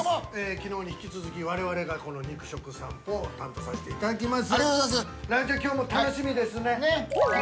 昨日に引き続き我々が肉食さんぽを担当させていただきます。